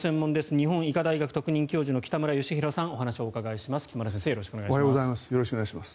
日本医科大学特任教授の北村義浩さんにお話を伺います。